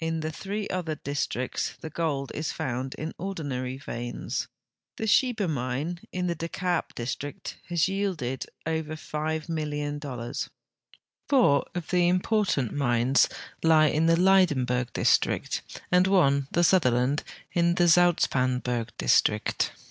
In the three other districts the gold is found in ordinary veins. The Sheba mine, in the De Kaap district, has yielded over 85,000,000. Four of the important mines lie in the Lydenburg district, and one, the Sutherland, in the Zoutpans burg district.